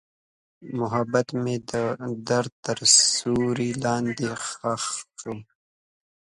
محبت مې د درد تر سیوري لاندې ښخ شو.